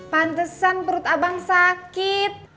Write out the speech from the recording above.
pantesan perut abang sakit